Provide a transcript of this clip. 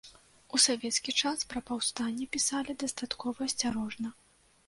У савецкі час пра паўстанне пісалі дастаткова асцярожна.